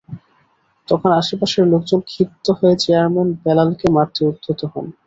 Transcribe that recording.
তখন আশপাশের লোকজন ক্ষিপ্ত হয়ে চেয়ারম্যান বেলালকে মারতে উদ্যত হন।